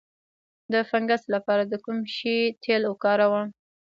د فنګس لپاره د کوم شي تېل وکاروم؟